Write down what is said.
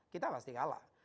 kita pasti kalah